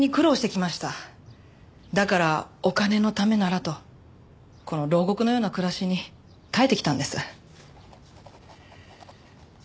だからお金のためならとこの牢獄のような暮らしに耐えてきたんです。